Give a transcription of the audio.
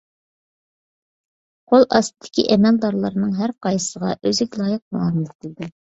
قول ئاستىدىكى ئەمەلدارلارنىڭ ھەر قايسىسىغا ئۆزىگە لايىق مۇئامىلە قىلىدۇ.